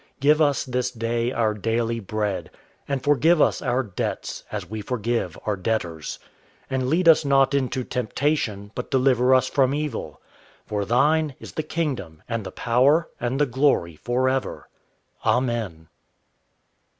_ Give us this day our daily bread. And forgive us our debts, as we forgive our debtors. And lead us not into temptation, but deliver us from evil: _For Thine is the kingdom, and the power, and the glory, forever. Amen.